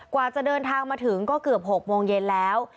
กว่าจะเดินทางมาถึงก็เกือบ๖โมงเย็นแล้ว